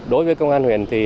đối với công an huyền